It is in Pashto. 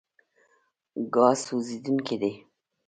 ګاز سوځېدونکی دی.